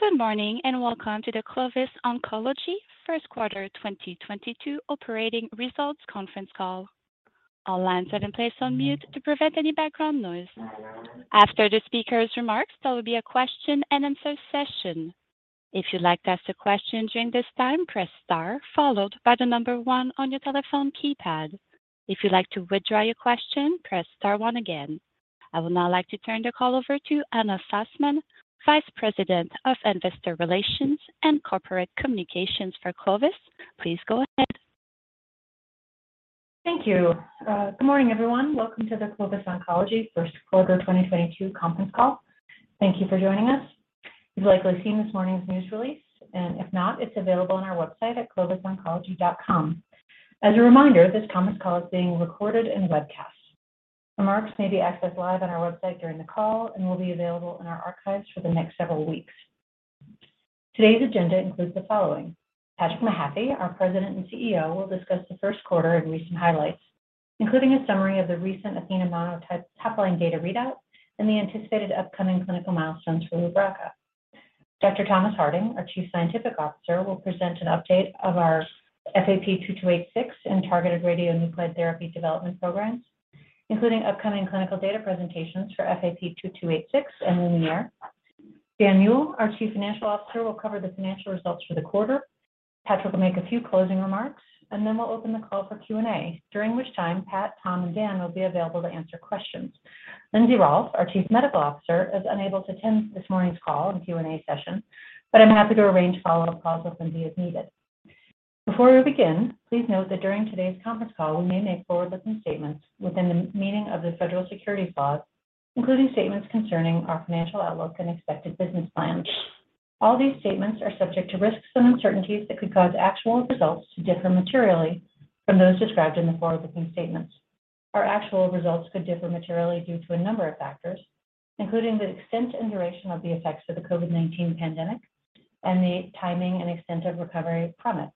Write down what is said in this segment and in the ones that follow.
Good morning, and welcome to the Clovis Oncology first quarter 2022 operating results conference call. All lines are in place on mute to prevent any background noise. After the speaker's remarks, there will be a question and answer session. If you'd like to ask a question during this time, press star followed by the number one on your telephone keypad. If you'd like to withdraw your question, press star one again. I would now like to turn the call over to Anna Sussman, Vice President of Investor Relations and Corporate Communications for Clovis Oncology. Please go ahead Thank you. Good morning, everyone. Welcome to the Clovis Oncology first quarter 2022 conference call. Thank you for joining us. You've likely seen this morning's news release, and if not, it's available on our website at clovisoncology.com. As a reminder, this conference call is being recorded and webcast. Remarks may be accessed live on our website during the call and will be available in our archives for the next several weeks. Today's agenda includes the following. Patrick Mahaffy, our President and CEO, will discuss the first quarter and recent highlights, including a summary of the recent ATHENA-MONO top-line data readout and the anticipated upcoming clinical milestones for Rubraca. Dr. Thomas Harding, our Chief Scientific Officer, will present an update of our FAP-2286 and targeted radionuclide therapy development programs, including upcoming clinical data presentations for FAP-F2286 and LuMIERE. Dan Muehl, our Chief Financial Officer, will cover the financial results for the quarter. Patrick will make a few closing remarks, and then we'll open the call for Q&A, during which time Pat, Tom, and Dan will be available to answer questions. Lindsey Rolfe, our Chief Medical Officer, is unable to attend this morning's call and Q&A session, but I'm happy to arrange follow-up calls with Lindsey if needed. Before we begin, please note that during today's conference call, we may make forward-looking statements within the meaning of the federal securities laws, including statements concerning our financial outlook and expected business plans. All these statements are subject to risks and uncertainties that could cause actual results to differ materially from those described in the forward-looking statements. Our actual results could differ materially due to a number of factors, including the extent and duration of the effects of the COVID-19 pandemic and the timing and extent of recovery from it.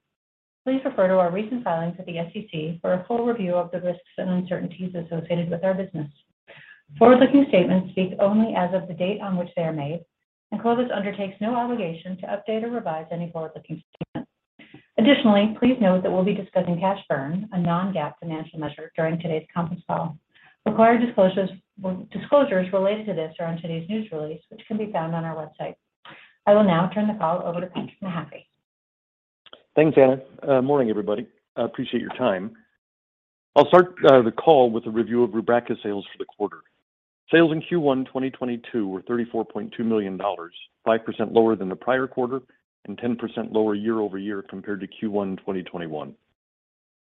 Please refer to our recent filings with the SEC for a full review of the risks and uncertainties associated with our business. Forward-looking statements speak only as of the date on which they are made, and Clovis undertakes no obligation to update or revise any forward-looking statements. Additionally, please note that we'll be discussing cash burn, a non-GAAP financial measure, during today's conference call. Required disclosures related to this are in today's news release, which can be found on our website. I will now turn the call over to Patrick Mahaffy. Thanks, Anna. Morning, everybody. I appreciate your time. I'll start the call with a review of Rubraca sales for the quarter. Sales in Q1 2022 were $34.2 million, 5% lower than the prior quarter and 10% lower year-over-year compared to Q1 2021.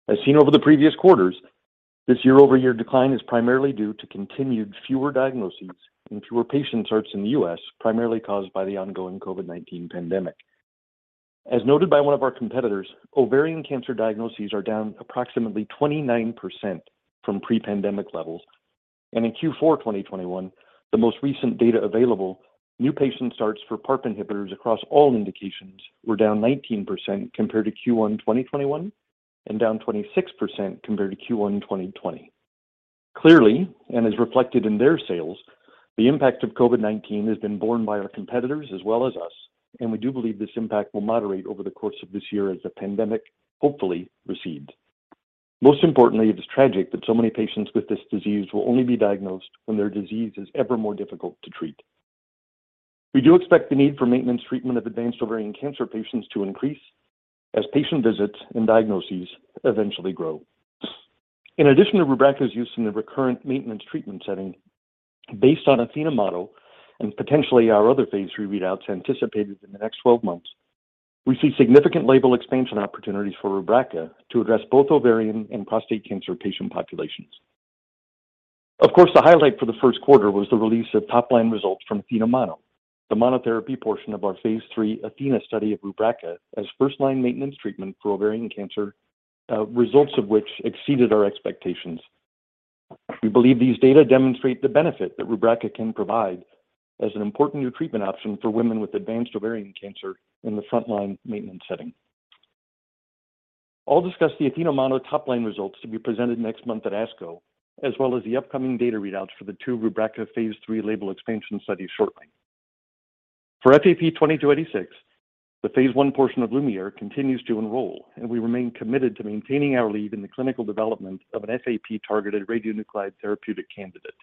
As seen over the previous quarters, this year-over-year decline is primarily due to continued fewer diagnoses and fewer patient starts in the U.S., primarily caused by the ongoing COVID-19 pandemic. As noted by one of our competitors, ovarian cancer diagnoses are down approximately 29% from pre-pandemic levels. In Q4 2021, the most recent data available, new patient starts for PARP inhibitors across all indications were down 19% compared to Q1 2021 and down 26% compared to Q1 2020. Clearly, and as reflected in their sales, the impact of COVID-19 has been borne by our competitors as well as us, and we do believe this impact will moderate over the course of this year as the pandemic hopefully recedes. Most importantly, it is tragic that so many patients with this disease will only be diagnosed when their disease is ever more difficult to treat. We do expect the need for maintenance treatment of advanced ovarian cancer patients to increase as patient visits and diagnoses eventually grow. In addition to Rubraca's use in the recurrent maintenance treatment setting, based on ATHENA model and potentially our other Phase III readouts anticipated in the next 12 months, we see significant label expansion opportunities for Rubraca to address both ovarian and prostate cancer patient populations. Of course, the highlight for the first quarter was the release of top-line results from ATHENA-MONO, the monotherapy portion of our Phase III ATHENA study of Rubraca as first-line maintenance treatment for ovarian cancer, results of which exceeded our expectations. We believe these data demonstrate the benefit that Rubraca can provide as an important new treatment option for women with advanced ovarian cancer in the frontline maintenance setting. I'll discuss the ATHENA-MONO top-line results to be presented next month at ASCO, as well as the upcoming data readouts for the two Rubraca Phase III label expansion studies shortly. For FAP-2286, the Phase I portion of LuMIERE continues to enroll, and we remain committed to maintaining our lead in the clinical development of an FAP-targeted radionuclide therapeutic candidate.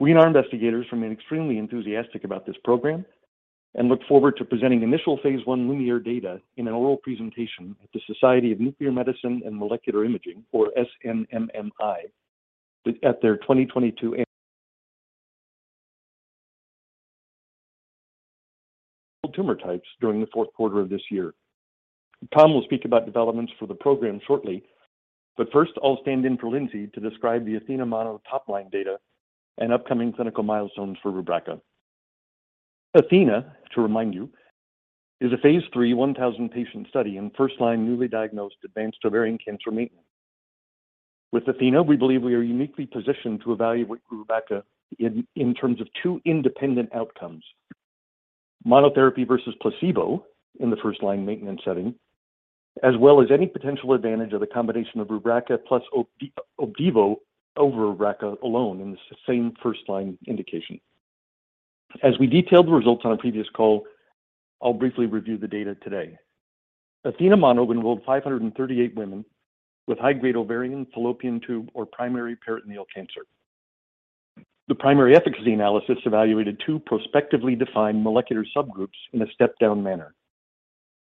We and our investigators remain extremely enthusiastic about this program and look forward to presenting initial Phase I LuMIERE data in an oral presentation at the Society of Nuclear Medicine and Molecular Imaging, or SNMMI, at their 2022 tumor types during the fourth quarter of this year. Tom will speak about developments for the program shortly, but first I'll stand in for Lindsey to describe the ATHENA-MONO top-line data and upcoming clinical milestones for Rubraca. ATHENA, to remind you, is a Phase III 1,000-patient study in first-line newly diagnosed advanced ovarian cancer maintenance. With ATHENA, we believe we are uniquely positioned to evaluate Rubraca in terms of two independent outcomes. Monotherapy versus placebo in the first-line maintenance setting. As well as any potential advantage of the combination of Rubraca + Opdivo over Rubraca alone in the same first-line indication. As we detailed the results on a previous call, I'll briefly review the data today. ATHENA-MONO enrolled 538 women with high-grade ovarian, fallopian tube, or primary peritoneal cancer. The primary efficacy analysis evaluated two prospectively defined molecular subgroups in a step-down manner,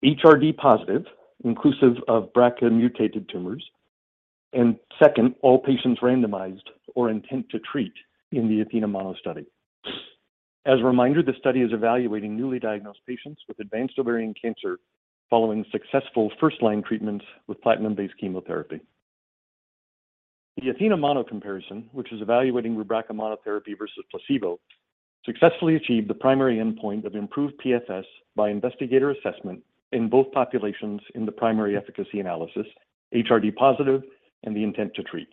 HRD positive, inclusive of BRCA-mutated tumors, and second, all patients randomized or intent to treat in the ATHENA-MONO study. As a reminder, the study is evaluating newly diagnosed patients with advanced ovarian cancer following successful first-line treatment with platinum-based chemotherapy. The ATHENA-MONO comparison, which is evaluating Rubraca monotherapy versus placebo, successfully achieved the primary endpoint of improved PFS by investigator assessment in both populations in the primary efficacy analysis, HRD positive and the intent to treat.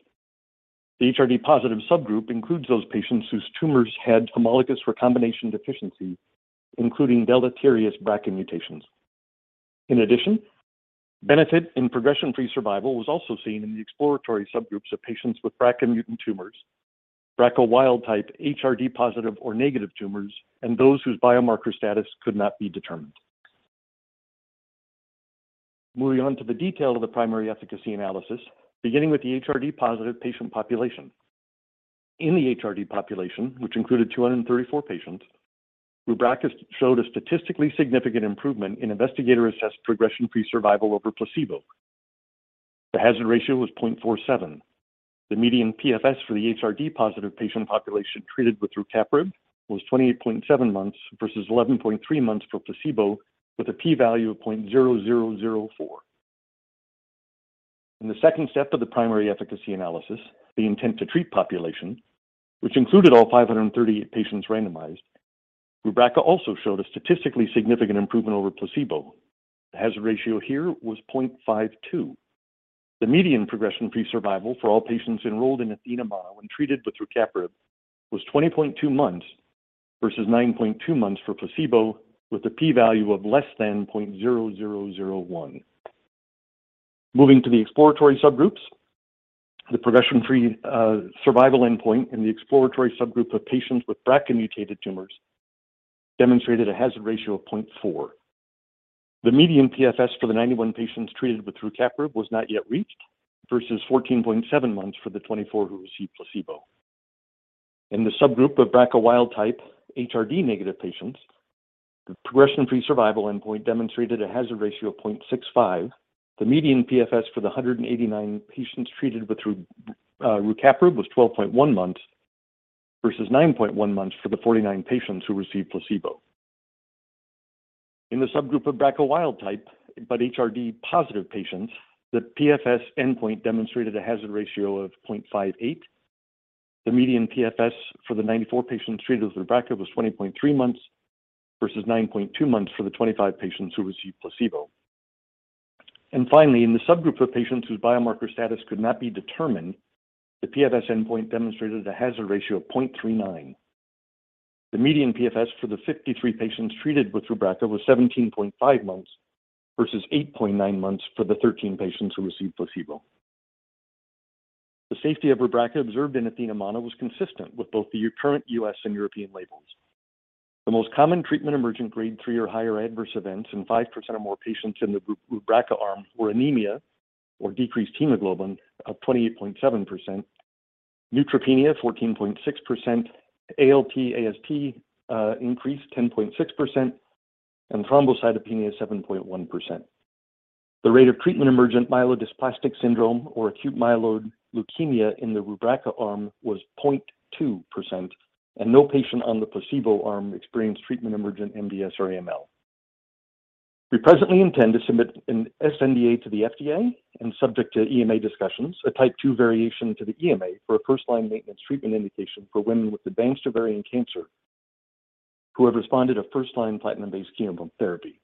The HRD positive subgroup includes those patients whose tumors had homologous recombination deficiency, including deleterious BRCA mutations. In addition, benefit in progression-free survival was also seen in the exploratory subgroups of patients with BRCA mutant tumors, BRCA wild type HRD positive or negative tumors, and those whose biomarker status could not be determined. Moving on to the detail of the primary efficacy analysis, beginning with the HRD positive patient population. In the HRD population, which included 234 patients, Rubraca showed a statistically significant improvement in investigator-assessed progression-free survival over placebo. The hazard ratio was 0.47. The median PFS for the HRD positive patient population treated with rucaparib was 28.7 months versus 11.3 months for placebo with a P value of 0.0004. In the second step of the primary efficacy analysis, the intent to treat population, which included all 538 patients randomized, Rubraca also showed a statistically significant improvement over placebo. The hazard ratio here was 0.52. The median progression-free survival for all patients enrolled in ATHENA-MONO and treated with rucaparib was 20.2 months versus 9.2 months for placebo with a P value of less than 0.0001. Moving to the exploratory subgroups, the progression-free survival endpoint in the exploratory subgroup of patients with BRCA-mutated tumors demonstrated a hazard ratio of 0.4. The median PFS for the 91 patients treated with rucaparib was not yet reached versus 14.7 months for the 24 who received placebo. In the subgroup of BRCA wild type HRD negative patients, the progression-free survival endpoint demonstrated a hazard ratio of 0.65. The median PFS for the 189 patients treated with rucaparib was 12.1 months versus 9.1 months for the 49 patients who received placebo. In the subgroup of BRCA wild type but HRD positive patients, the PFS endpoint demonstrated a hazard ratio of 0.58. The median PFS for the 94 patients treated with Rubraca was 20.3 months versus 9.2 months for the 25 patients who received placebo. Finally, in the subgroup of patients whose biomarker status could not be determined, the PFS endpoint demonstrated a hazard ratio of 0.39. The median PFS for the 53 patients treated with Rubraca was 17.5 months versus 8.9 months for the 13 patients who received placebo. The safety of Rubraca observed in ATHENA-MONO was consistent with both the current U.S. and European labels. The most common treatment-emergent Grade 3 or higher adverse events in 5% or more patients in the Rubraca arm were anemia or decreased hemoglobin of 28.7%, neutropenia 14.6%, ALT, AST increase 10.6%, and thrombocytopenia 7.1%. The rate of treatment-emergent myelodysplastic syndrome or acute myeloid leukemia in the Rubraca arm was 0.2%, and no patient on the placebo arm experienced treatment-emergent MDS or AML. We presently intend to submit an sNDA to the FDA and subject to EMA discussions, a type two variation to the EMA for a first-line maintenance treatment indication for women with advanced ovarian cancer who have responded to first-line platinum-based chemotherapy.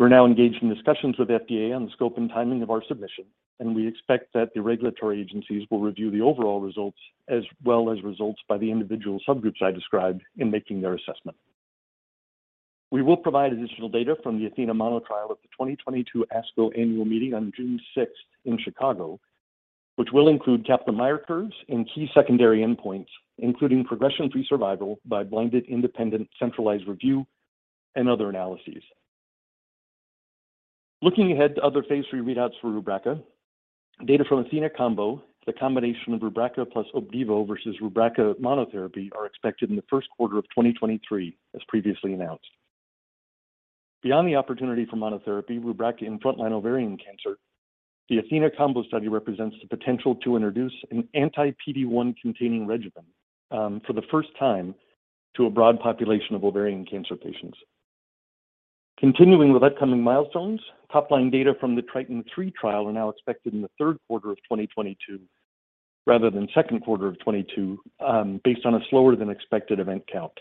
We're now engaged in discussions with FDA on the scope and timing of our submission, and we expect that the regulatory agencies will review the overall results as well as results by the individual subgroups I described in making their assessment. We will provide additional data from the ATHENA-MONO trial at the 2022 ASCO annual meeting on June 6th in Chicago, which will include Kaplan-Meier curves and key secondary endpoints, including progression-free survival by blinded independent centralized review and other analyses. Looking ahead to other Phase III readouts for Rubraca, data from ATHENA-COMBO, the combination of Rubraca plus Opdivo versus Rubraca monotherapy, are expected in the first quarter of 2023, as previously announced. Beyond the opportunity for monotherapy, Rubraca in frontline ovarian cancer, the ATHENA-COMBO study represents the potential to introduce an anti-PD-1 containing regimen, for the first time to a broad population of ovarian cancer patients. Continuing with upcoming milestones, top-line data from the TRITON3 trial are now expected in the third quarter of 2022 rather than second quarter of 2022, based on a slower than expected event count.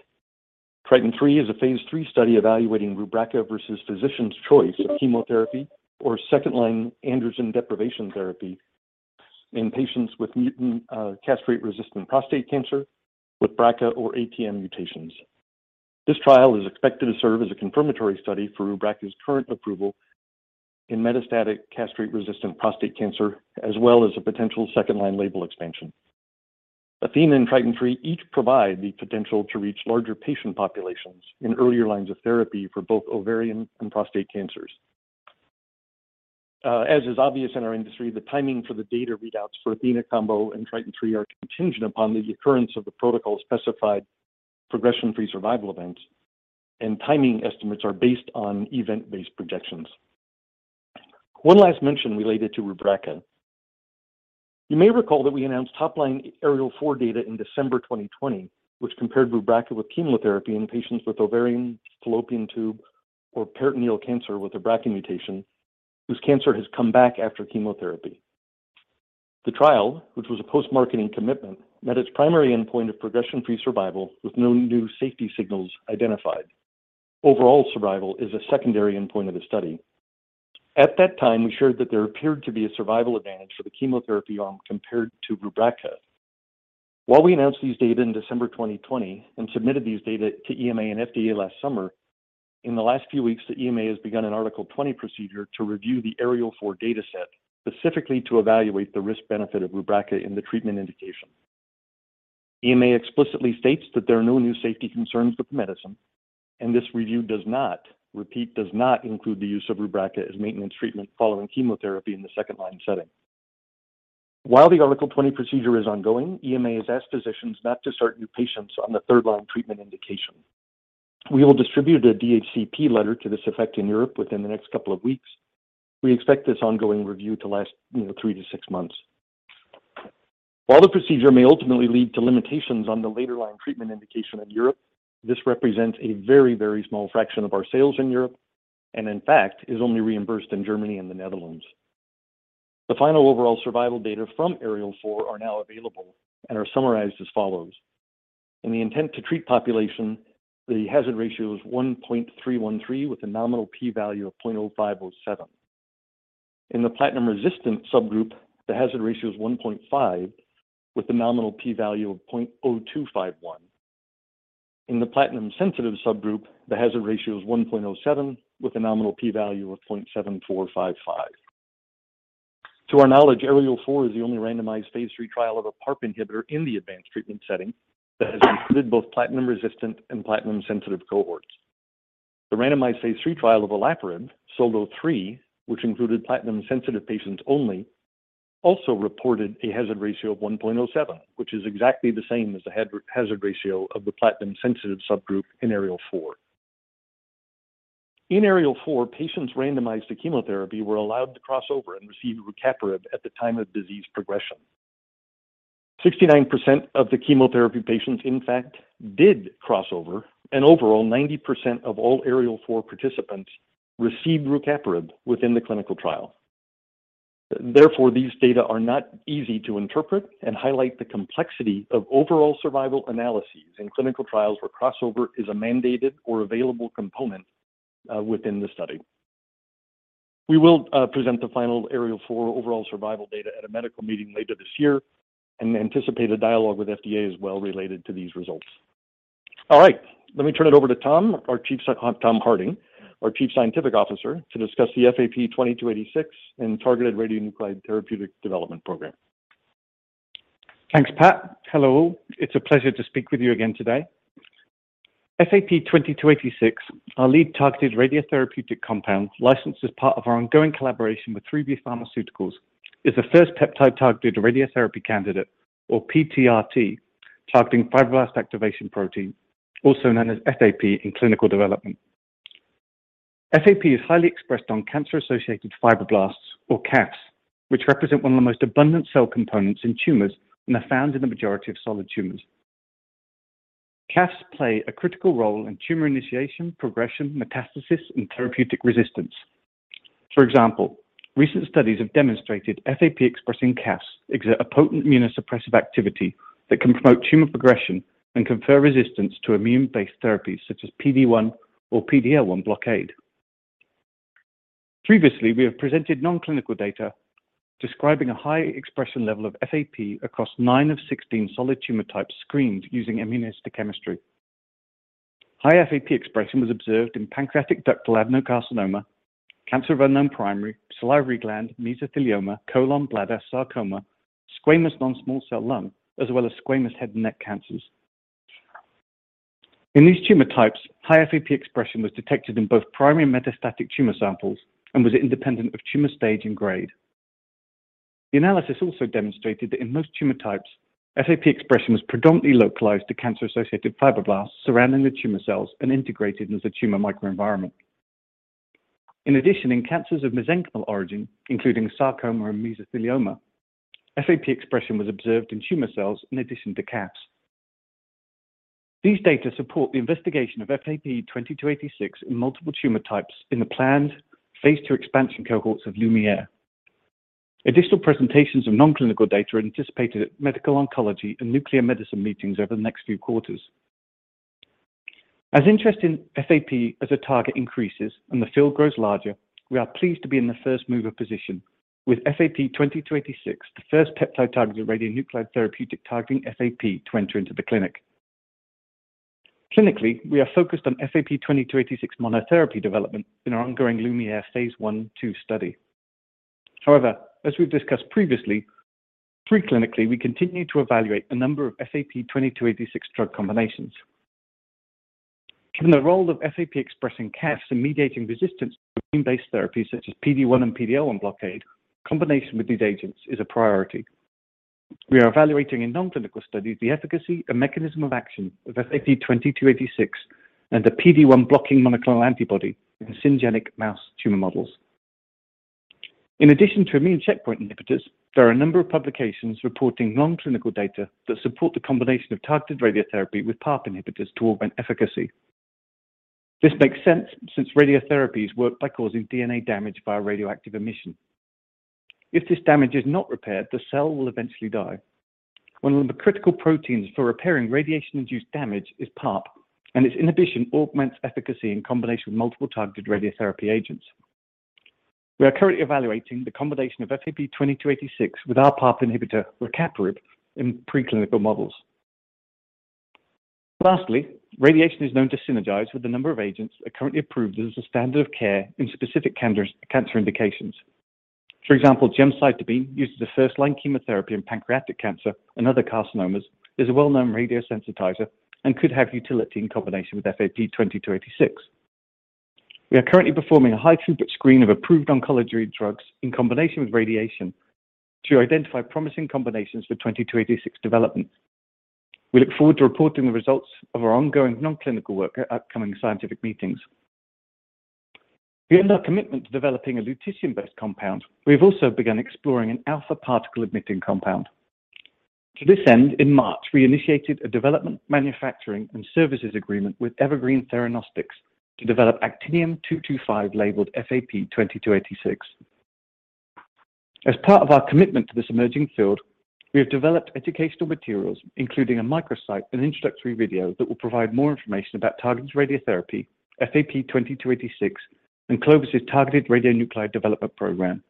TRITON3 is a Phase III study evaluating Rubraca versus physician's choice of chemotherapy or second-line androgen deprivation therapy in patients with mutant castration-resistant prostate cancer with BRCA or ATM mutations. This trial is expected to serve as a confirmatory study for Rubraca's current approval in metastatic castration-resistant prostate cancer, as well as a potential second-line label expansion. ATHENA and TRITON3 each provide the potential to reach larger patient populations in earlier lines of therapy for both ovarian and prostate cancers. As is obvious in our industry, the timing for the data readouts for ATHENA combo and TRITON3 are contingent upon the occurrence of the protocol-specified progression-free survival events, and timing estimates are based on event-based projections. One last mention related to Rubraca. You may recall that we announced top-line ARIEL4 data in December 2020, which compared Rubraca with chemotherapy in patients with ovarian, fallopian tube, or peritoneal cancer with a BRCA mutation whose cancer has come back after chemotherapy. The trial, which was a post-marketing commitment, met its primary endpoint of progression-free survival with no new safety signals identified. Overall survival is a secondary endpoint of the study. At that time, we shared that there appeared to be a survival advantage for the chemotherapy arm compared to Rubraca. While we announced these data in December 2020 and submitted these data to EMA and FDA last summer, in the last few weeks, the EMA has begun an Article 20 procedure to review the ARIEL4 data set, specifically to evaluate the risk-benefit of Rubraca in the treatment indication. EMA explicitly states that there are no new safety concerns with the medicine, and this review does not include the use of Rubraca as maintenance treatment following chemotherapy in the second line setting. While the Article 20 procedure is ongoing, EMA has asked physicians not to start new patients on the third-line treatment indication. We will distribute a DHCP letter to this effect in Europe within the next couple of weeks. We expect this ongoing review to last, you know 3-6 months. While the procedure may ultimately lead to limitations on the later line treatment indication in Europe, this represents a very, very small fraction of our sales in Europe, and in fact, is only reimbursed in Germany and the Netherlands. The final overall survival data from ARIEL4 are now available and are summarized as follows. In the intent-to-treat population, the hazard ratio is 1.313 with a nominal P value of 0.0507. In the platinum-resistant subgroup, the hazard ratio is 1.5 with a nominal P value of 0.0251. In the platinum-sensitive subgroup, the hazard ratio is 1.07 with a nominal P value of 0.7455. To our knowledge, ARIEL4 is the only randomized Phase III trial of a PARP inhibitor in the advanced treatment setting that has included both platinum-resistant and platinum-sensitive cohorts. The randomized Phase III trial of olaparib, SOLO3, which included platinum-sensitive patients only, also reported a hazard ratio of 1.07, which is exactly the same as the hazard ratio of the platinum-sensitive subgroup in ARIEL4. In ARIEL4, patients randomized to chemotherapy were allowed to cross over and receive rucaparib at the time of disease progression. 69% of the chemotherapy patients in fact did crossover, and overall, 90% of all ARIEL4 participants received rucaparib within the clinical trial. Therefore, these data are not easy to interpret and highlight the complexity of overall survival analyses in clinical trials where crossover is a mandated or available component within the study. We will present the final ARIEL4 overall survival data at a medical meeting later this year and anticipate a dialogue with FDA as well related to these results. All right. Let me turn it over to Thomas Harding, our Chief Scientific Officer, to discuss the FAP-2286 and targeted radionuclide therapeutic development program. Thanks, Pat. Hello. It's a pleasure to speak with you again today. FAP-2286, our lead targeted radiotherapeutic compound, licensed as part of our ongoing collaboration with 3B Pharmaceuticals, is the first peptide-targeted radionuclide therapy or PTRT, targeting fibroblast activation protein, also known as FAP in clinical development. FAP is highly expressed on cancer-associated fibroblasts or CAFs, which represent one of the most abundant cell components in tumors and are found in the majority of solid tumors. CAFs play a critical role in tumor initiation, progression, metastasis, and therapeutic resistance. For example, recent studies have demonstrated FAP expressing CAFs exert a potent immunosuppressive activity that can promote tumor progression and confer resistance to immune-based therapies such as PD-1 or PD-L1 blockade. Previously, we have presented non-clinical data describing a high expression level of FAP across nine of 16 solid tumor types screened using immunohistochemistry. High FAP expression was observed in pancreatic ductal adenocarcinoma, cancer of unknown primary, salivary gland, mesothelioma, colon, bladder, sarcoma, squamous non-small cell lung, as well as squamous head and neck cancers. In these tumor types, high FAP expression was detected in both primary and metastatic tumor samples and was independent of tumor stage and grade. The analysis also demonstrated that in most tumor types, FAP expression was predominantly localized to cancer-associated fibroblasts surrounding the tumor cells and integrated into the tumor microenvironment. In addition, in cancers of mesenchymal origin, including sarcoma and mesothelioma, FAP expression was observed in tumor cells in addition to CAFs. These data support the investigation of FAP-2286 in multiple tumor types in the planned Phase II expansion cohorts of LuMIERE. Additional presentations of non-clinical data are anticipated at medical oncology and nuclear medicine meetings over the next few quarters. As interest in FAP as a target increases and the field grows larger, we are pleased to be in the first mover position with FAP-2286, the first peptide targeted radionuclide therapeutic targeting FAP to enter into the clinic. Clinically, we are focused on FAP-2286 monotherapy development in our ongoing LuMIERE Phase I/II study. However, as we've discussed previously, pre-clinically, we continue to evaluate a number of FAP-2286 drug combinations. Given the role of FAP-expressing CAFs in mediating resistance to immune-based therapies such as PD-1 and PD-L1 blockade, combination with these agents is a priority. We are evaluating in non-clinical studies the efficacy and mechanism of action of FAP-2286 and the PD-1 blocking monoclonal antibody in syngeneic mouse tumor models. In addition to immune checkpoint inhibitors, there are a number of publications reporting non-clinical data that support the combination of targeted radiotherapy with PARP inhibitors to augment efficacy. This makes sense since radiotherapies work by causing DNA damage via radioactive emission. If this damage is not repaired, the cell will eventually die. One of the critical proteins for repairing radiation-induced damage is PARP, and its inhibition augments efficacy in combination with multiple targeted radiotherapy agents. We are currently evaluating the combination of FAP-2286 with our PARP inhibitor, rucaparib, in preclinical models. Lastly, radiation is known to synergize with a number of agents that are currently approved as a standard of care in specific cancer indications. For example, gemcitabine, used as a first-line chemotherapy in pancreatic cancer and other carcinomas, is a well-known radiosensitizer and could have utility in combination with FAP-2286. We are currently performing a high-throughput screen of approved oncology drugs in combination with radiation to identify promising combinations for FAP-2286 development. We look forward to reporting the results of our ongoing non-clinical work at upcoming scientific meetings. Beyond our commitment to developing a lutetium-based compound, we have also begun exploring an alpha particle-emitting compound. To this end, in March, we initiated a development, manufacturing, and services agreement with Evergreen Theranostics to develop actinium-225-labeled FAP-2286. As part of our commitment to this emerging field, we have developed educational materials, including a microsite and introductory video that will provide more information about targeted radiotherapy, FAP-2286, and Clovis' targeted radionuclide development program.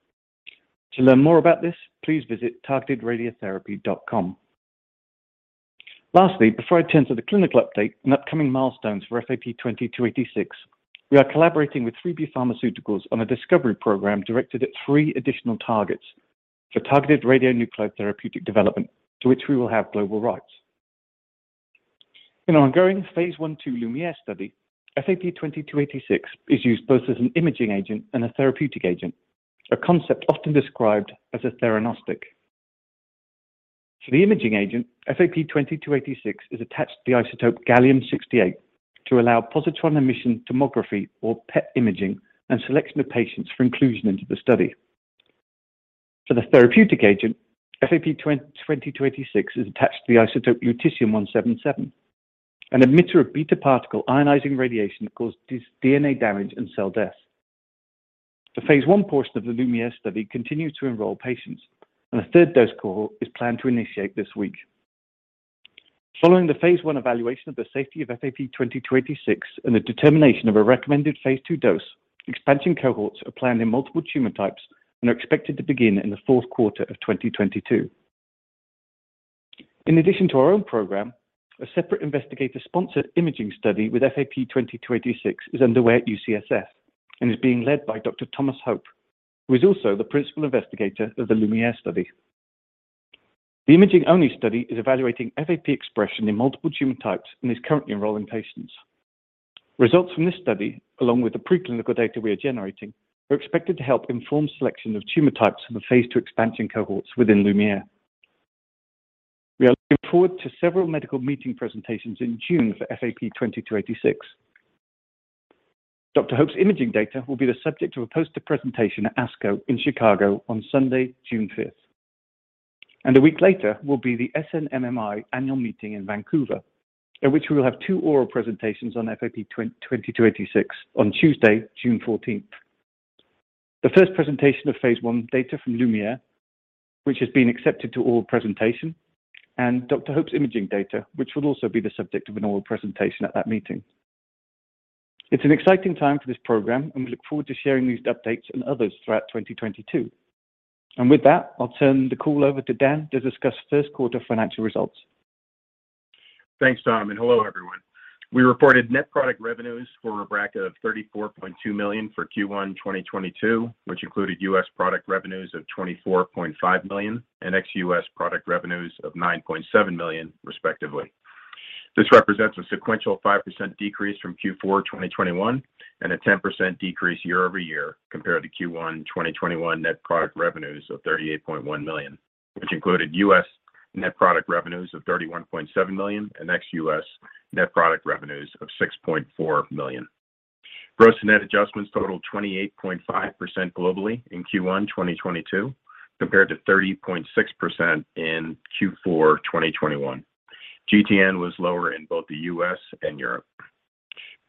To learn more about this, please visit targetedradiotherapy.com. Lastly, before I turn to the clinical update and upcoming milestones for FAP-2286, we are collaborating with 3B Pharmaceuticals on a discovery program directed at three additional targets for targeted radionuclide therapeutic development, to which we will have global rights. In our ongoing Phase I/II LuMIERE study, FAP-2286 is used both as an imaging agent and a therapeutic agent, a concept often described as a theranostic. For the imaging agent, FAP-2286 is attached to the isotope gallium-68 to allow positron emission tomography or PET imaging and selection of patients for inclusion into the study. For the therapeutic agent, FAP-2286 is attached to the isotope lutetium-177, an emitter of beta particle ionizing radiation that cause DNA damage and cell death. The Phase I portion of the LuMIERE study continues to enroll patients, and a third dose cohort is planned to initiate this week. Following the Phase I evaluation of the safety of FAP-2286 and the determination of a recommended Phase II dose, expansion cohorts are planned in multiple tumor types and are expected to begin in the fourth quarter of 2022. In addition to our own program, a separate investigator-sponsored imaging study with FAP-2286 is underway at UCSF and is being led by Dr. Thomas Hope, who is also the principal investigator of the LuMIERE study. The imaging-only study is evaluating FAP expression in multiple tumor types and is currently enrolling patients. Results from this study, along with the preclinical data we are generating, are expected to help inform selection of tumor types for the Phase II expansion cohorts within LuMIERE. We are looking forward to several medical meeting presentations in June for FAP-2286. Dr. Hope's imaging data will be the subject of a poster presentation at ASCO in Chicago on Sunday, June 5. A week later will be the SNMMI annual meeting in Vancouver, at which we will have two oral presentations on FAP-2286 on Tuesday, June 14. The first presentation of Phase I data from LuMIERE, which has been accepted to oral presentation, and Dr. Hope's imaging data, which will also be the subject of an oral presentation at that meeting. It's an exciting time for this program, and we look forward to sharing these updates and others throughout 2022. With that, I'll turn the call over to Dan to discuss first quarter financial results. Thanks, Tom, and hello, everyone. We reported net product revenues for Rubraca of $34.2 million for Q1 2022, which included U.S. product revenues of $24.5 million and ex-U.S. product revenues of $9.7 million, respectively. This represents a sequential 5% decrease from Q4 2021 and a 10% decrease year-over-year compared to Q1 2021 net product revenues of $38.1 million, which included U.S. net product revenues of $31.7 million and ex-U.S. net product revenues of $6.4 million. Gross and net adjustments totaled 28.5% globally in Q1 2022 compared to 30.6% in Q4 2021. GTN was lower in both the U.S. and Europe.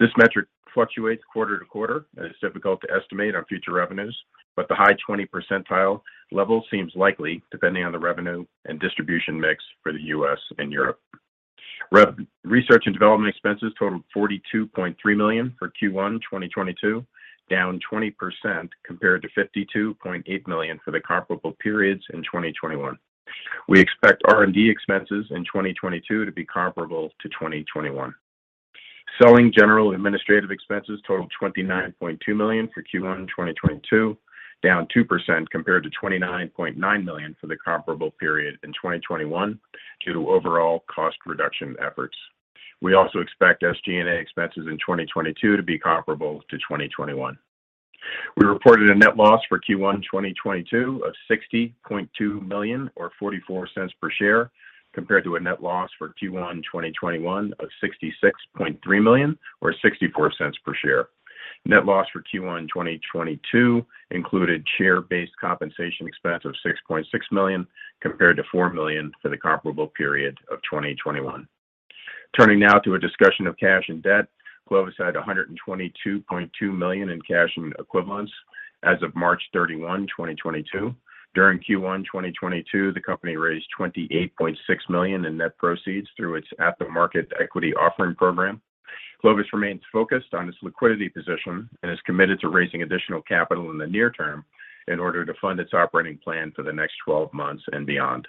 This metric fluctuates quarter-to-quarter, and it's difficult to estimate on future revenues. The high twenties percentile level seems likely depending on the revenue and distribution mix for the U.S. and Europe. Research and development expenses totaled $42.3 million for Q1 2022, down 20% compared to $52.8 million for the comparable periods in 2021. We expect R&D expenses in 2022 to be comparable to 2021. Selling general administrative expenses totaled $29.2 million for Q1 2022, down 2% compared to $29.9 million for the comparable period in 2021 due to overall cost reduction efforts. We also expect SG&A expenses in 2022 to be comparable to 2021. We reported a net loss for Q1 2022 of $60.2 million or $0.44 per share, compared to a net loss for Q1 2021 of $66.3 million or $0.64 per share. Net loss for Q1 2022 included share-based compensation expense of $6.6 million compared to $4 million for the comparable period of 2021. Turning now to a discussion of cash and debt, Clovis had $122.2 million in cash and equivalents as of March 31, 2022. During Q1 2022, the company raised $28.6 million in net proceeds through its at-the-market equity offering program. Clovis remains focused on its liquidity position and is committed to raising additional capital in the near term in order to fund its operating plan for the next 12 months and beyond.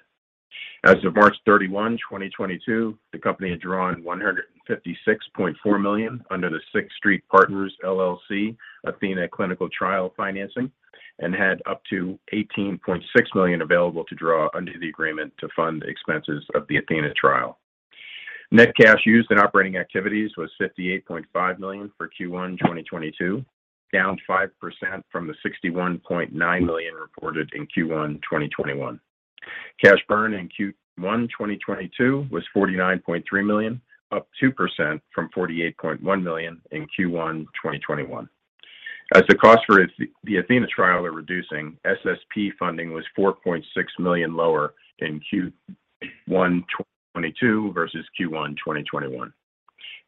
As of March 31, 2022, the company had drawn $156.4 million under the Sixth Street Partners ATHENA clinical trial financing and had up to $18.6 million available to draw under the agreement to fund expenses of the ATHENA trial. Net cash used in operating activities was $58.5 million for Q1 2022, down 5% from the $61.9 million reported in Q1 2021. Cash burn in Q1 2022 was $49.3 million, up 2% from $48.1 million in Q1 2021. As the cost for the ATHENA trial are reducing, SSP funding was $4.6 million lower in Q1 2022 versus Q1 2021.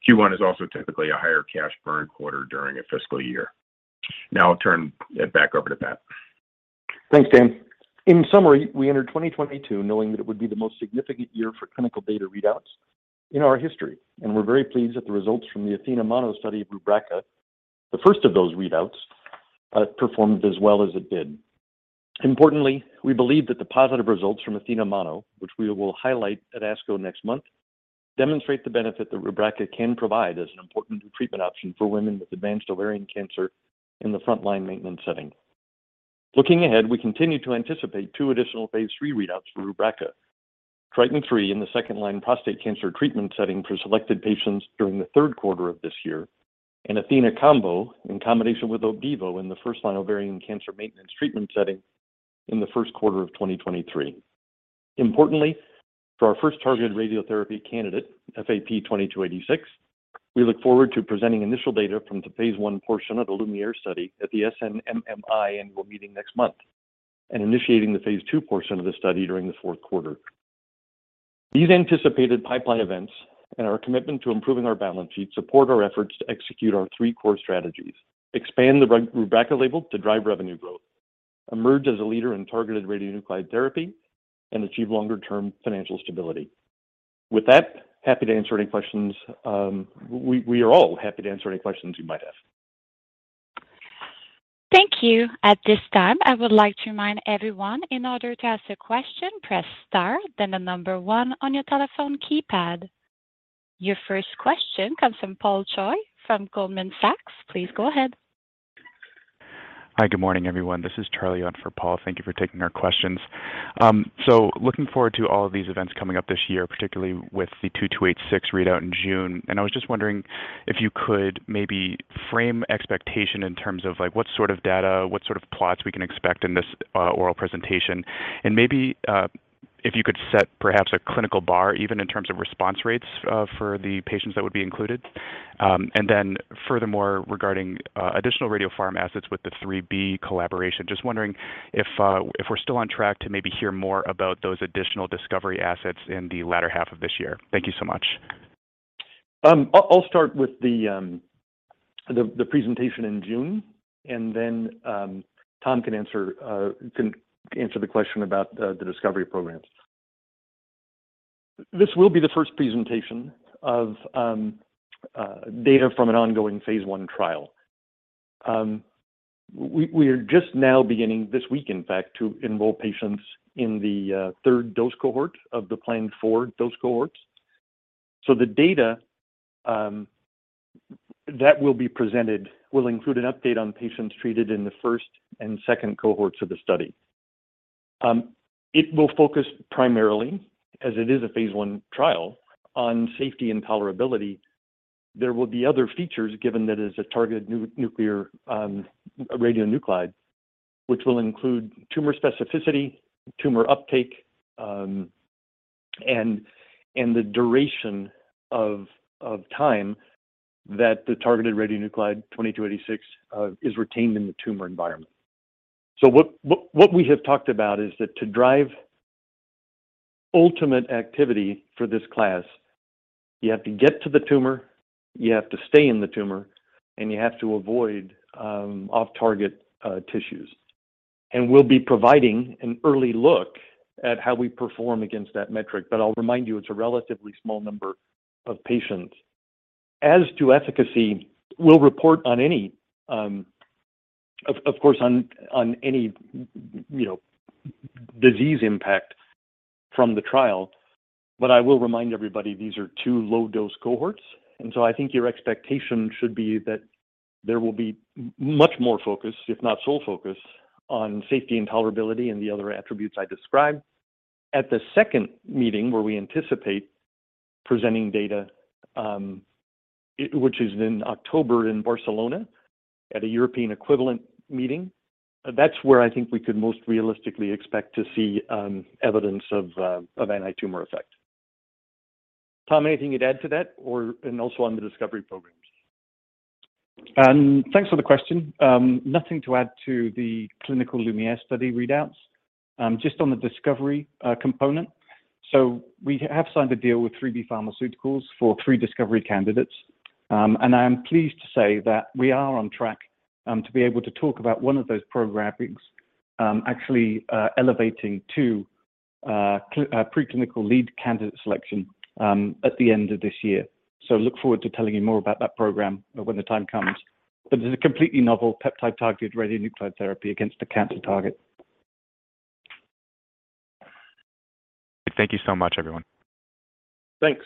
Q1 is also typically a higher cash burn quarter during a fiscal year. Now I'll turn it back over to Pat. Thanks, Dan. In summary, we entered 2022 knowing that it would be the most significant year for clinical data readouts in our history, and we're very pleased that the results from the ATHENA-MONO study of Rubraca, the first of those readouts, performed as well as it did. Importantly, we believe that the positive results from ATHENA-MONO, which we will highlight at ASCO next month, demonstrate the benefit that Rubraca can provide as an important new treatment option for women with advanced ovarian cancer in the front-line maintenance setting. Looking ahead, we continue to anticipate two additional Phase III readouts for Rubraca, TRITON3 in the second-line prostate cancer treatment setting for selected patients during the third quarter of this year, and ATHENA-COMBO in combination with Opdivo in the first-line ovarian cancer maintenance treatment setting in the first quarter of 2023. Importantly, for our first targeted radiotherapy candidate, FAP-2286, we look forward to presenting initial data from the Phase I portion of the LuMIERE study at the SNMMI annual meeting next month and initiating the Phase II portion of the study during the fourth quarter. These anticipated pipeline events and our commitment to improving our balance sheet support our efforts to execute our three core strategies. Expand the Rubraca label to drive revenue growth, emerge as a leader in targeted radionuclide therapy, and achieve longer-term financial stability. With that, happy to answer any questions, we are all happy to answer any questions you might have. Thank you. At this time, I would like to remind everyone in order to ask a question, press star then the number one on your telephone keypad. Your first question comes from Paul Choi from Goldman Sachs. Please go ahead. Hi, good morning, everyone. This is Charlie on for Paul. Thank you for taking our questions. So looking forward to all of these events coming up this year, particularly with the 2286 readout in June. I was just wondering if you could maybe frame expectation in terms of like what sort of data, what sort of plots we can expect in this oral presentation. Maybe if you could set perhaps a clinical bar even in terms of response rates for the patients that would be included. Furthermore, regarding additional radiopharm assets with the 3B collaboration, just wondering if we're still on track to maybe hear more about those additional discovery assets in the latter half of this year. Thank you so much. I'll start with the presentation in June, and then Tom can answer the question about the discovery programs. This will be the first presentation of data from an ongoing Phase I trial. We are just now beginning this week, in fact, to enroll patients in the third dose cohort of the planned four dose cohorts. The data that will be presented will include an update on patients treated in the first and second cohorts of the study. It will focus primarily, as it is a Phase I trial, on safety and tolerability. There will be other features given that it is a targeted radionuclide, which will include tumor specificity, tumor uptake, and the duration of time that the targeted radionuclide FAP-2286 is retained in the tumor environment. What we have talked about is that to drive ultimate activity for this class. You have to get to the tumor, you have to stay in the tumor, and you have to avoid off-target tissues. We'll be providing an early look at how we perform against that metric, but I'll remind you it's a relatively small number of patients. As to efficacy, we'll report on any, of course, on any, you know, disease impact from the trial. I will remind everybody these are two low-dose cohorts, and so I think your expectation should be that there will be much more focus, if not sole focus, on safety and tolerability and the other attributes I described. At the second meeting where we anticipate presenting data, which is in October in Barcelona at a European equivalent meeting, that's where I think we could most realistically expect to see evidence of anti-tumor effect. Tom, anything you'd add to that or, and also on the discovery programs? Thanks for the question. Nothing to add to the clinical LuMIERE study readouts. Just on the discovery component. We have signed a deal with 3B Pharmaceuticals for three discovery candidates. I am pleased to say that we are on track to be able to talk about one of those programs, actually, elevating to preclinical lead candidate selection at the end of this year. Look forward to telling you more about that program when the time comes. It's a completely novel peptide targeted radionuclide therapy against a cancer target. Thank you so much, everyone. Thanks.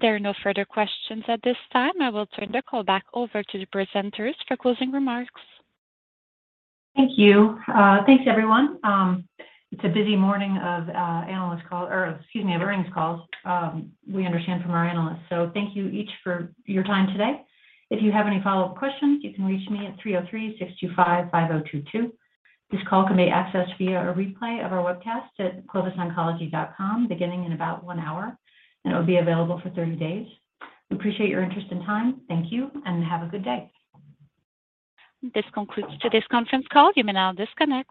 There are no further questions at this time. I will turn the call back over to the presenters for closing remarks. Thank you. Thanks everyone. It's a busy morning of earnings calls, we understand from our analysts. Thank you each for your time today. If you have any follow-up questions, you can reach me at 303-625-5022. This call can be accessed via a replay of our webcast at clovisoncology.com beginning in about one hour, and it will be available for 30 days. We appreciate your interest and time. Thank you, and have a good day. This concludes today's conference call. You may now disconnect.